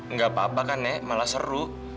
nggak apa apa kan nek malah seru